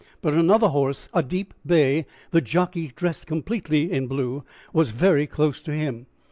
But another horse, a deep bay, the jockey dressed completely in blue, was very close to him.